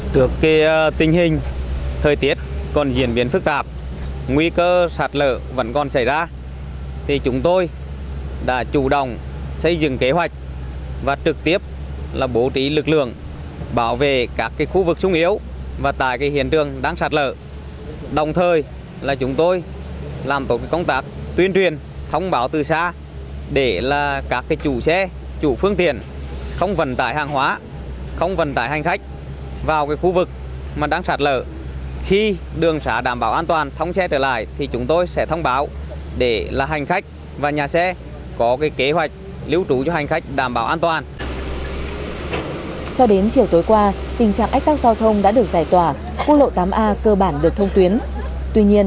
điều kiện thời tiết diễn biến phức tạp tiếp tục đe dọa nguy cơ sạt lở đồn bên phòng cửa khẩu quốc tế cầu treo cũng đang có phương án để xử lý trong trường hợp sớm nhất